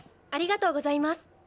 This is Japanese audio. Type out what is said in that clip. ありがとうございます。